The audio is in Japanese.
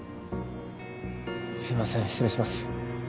すいません失礼します。